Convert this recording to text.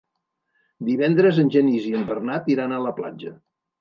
Divendres en Genís i en Bernat iran a la platja.